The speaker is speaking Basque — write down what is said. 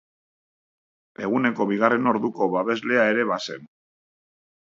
Eguneko bigarren orduko babeslea ere bazen.